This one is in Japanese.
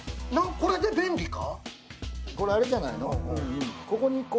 これ、便利か。